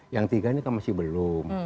yang tiga ini kan masih belum